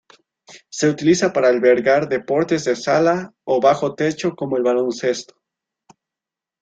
Se utiliza para albergar deportes de sala o bajo techo como el baloncesto.